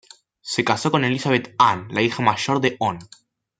Se casó con Elizabeth Anne, la hija mayor del Hon.